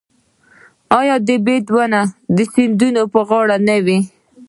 آیا د بید ونې د سیندونو په غاړه نه وي؟